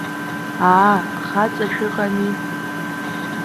Аа, хаҵа шәыҟами?!